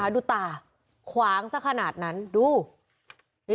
โดนฟันเละเลย